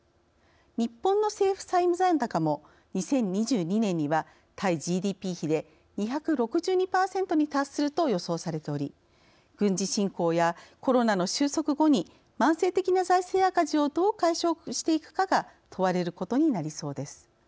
日本の政府債務残高も２０２２年には対ＧＤＰ比で２６２％に達すると予想されており軍事侵攻やコロナの収束後に慢性的な財政赤字をどう解消していくかが問われることになりそうです。